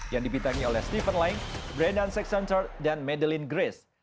yang dipitangi oleh stephen lang brandon saxon turt dan madeline grace